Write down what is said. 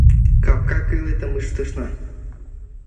Капка кылетым ыштышна.